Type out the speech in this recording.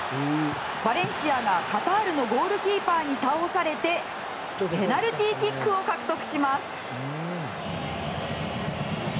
バレンシアが、カタールのゴールキーパーに倒されてペナルティーキックを獲得。